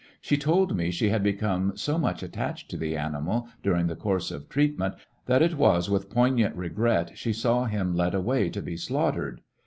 She told me she had become so much attached to the animal during the course of treatment that it was with poignant regret she saw him led away to be slaughtered.